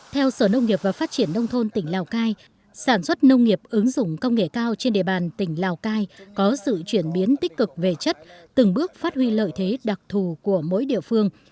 theo sở nông nghiệp và phát triển nông thôn tỉnh lào cai sản xuất nông nghiệp ứng dụng công nghệ cao trên địa bàn tỉnh lào cai có sự chuyển biến tích cực về chất từng bước phát huy lợi thế đặc thù của mỗi địa phương